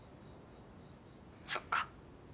そっか。